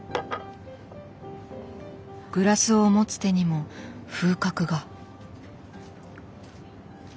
グラスを持つ手にも風格が。